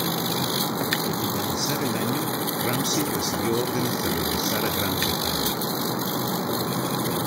Al finalizar el año Ramsay recibió órdenes de regresar a Gran Bretaña.